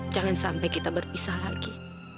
jangan sampai kita berpisah lagi